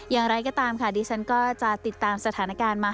อย่างไรก็ตามค่ะดิฉันก็จะติดตามสถานการณ์มา